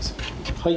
はい